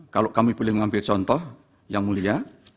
kalau kami boleh mengambil contoh yang mulia